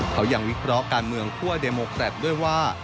เขายังวิเคราะห์การเมืองคั่วเดโมแครตด้วยว่า